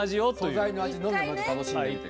素材の味のみをまず楽しんでみて下さい。